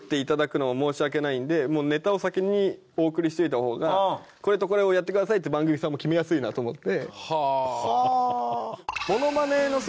もうネタを先にお送りしといた方がこれとこれをやってくださいって番組さんも決めやすいなと思って。